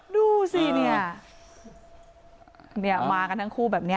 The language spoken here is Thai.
ดูสิเนี้ยเนี้ยมากันทั้งคู่แบบเนี้ย